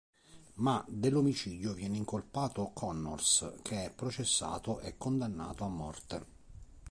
Ma, dell'omicidio, viene incolpato Connors, che è processato e condannato a morte.